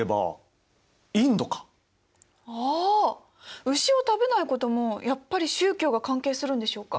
ああ牛を食べないこともやっぱり宗教が関係するんでしょうか？